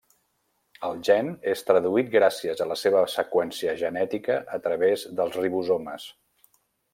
El gen és traduït gràcies a la seva seqüència genètica a través dels ribosomes.